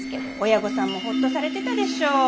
親御さんもほっとされてたでしょう。